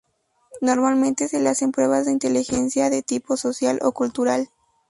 Normalmente se le hacen pruebas de inteligencia de tipo social o cultural.